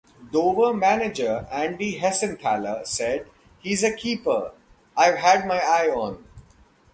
Dover manager Andy Hessenthaler said; He's a keeper I've had my eye on.